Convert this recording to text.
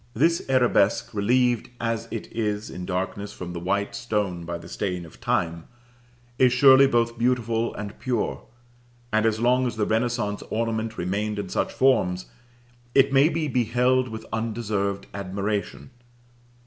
This arabesque, relieved as it is in darkness from the white stone by the stain of time, is surely both beautiful and pure; and as long as the renaissance ornament remained in such forms it may be beheld with undeserved admiration.